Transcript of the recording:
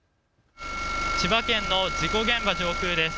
千葉県の事故現場上空です。